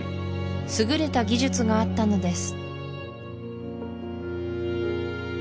優れた技術があったのです